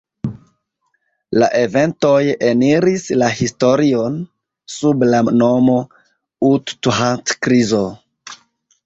La eventoj eniris la historion sub la nomo „U-Thant-krizo“.